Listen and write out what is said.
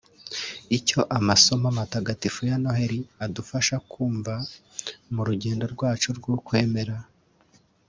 Icyo amasomo matagatifu ya Noheli adufasha kumva mu rugendo rwacu rw’ukwemera